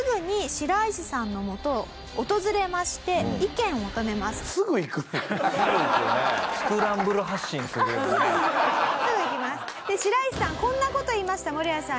白石さんこんな事を言いましたムロヤさんに。